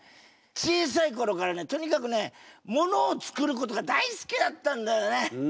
小さいころからねとにかくねものをつくることが大好きだったんだよね。